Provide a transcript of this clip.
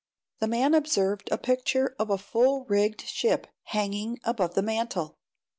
The man observed a picture of a full rigged ship hanging above the mantel.